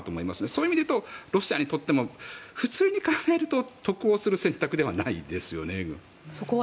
そういう意味だとロシアにとっても普通に考えると得をする選択ではないですよね。